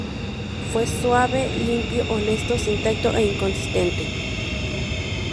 Fue suave, limpio, honesto, sin tacto e inconsistente.